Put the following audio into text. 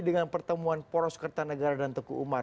dengan pertemuan poros kertanegara dan teku umar